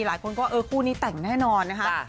หลายคนก็เออคู่นี้แต่งแน่นอนนะคะ